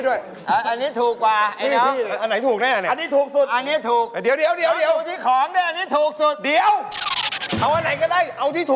ว่าซื้อเพราะอะไรพี่